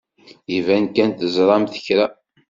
Iban kan teẓramt kra.